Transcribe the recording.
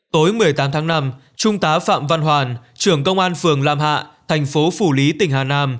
tối một mươi tám tháng năm trung tá phạm văn hoàn trưởng công an phường lam hạ thành phố phủ lý tỉnh hà nam